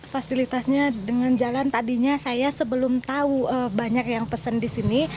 fasilitasnya dengan jalan tadinya saya sebelum tahu banyak yang pesen di sini